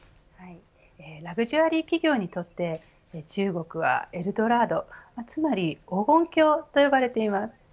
ラグジュアリー企業にとって中国はエル・ドラードつまり黄金郷と呼ばれています。